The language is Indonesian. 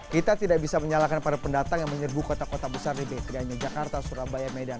kita tidak bisa menyalahkan para pendatang yang menyerbu kota kota besar di b tidak hanya jakarta surabaya medan